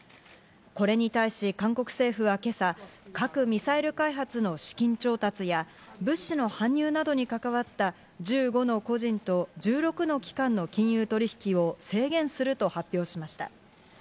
これに対し韓国政府は今朝、核・ミサイル開発の資金調達や、物資の搬入などに関わった１５の個人と、１６の機関の金融取引を制限すると発表しました。